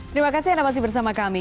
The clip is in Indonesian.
terima kasih anda masih bersama kami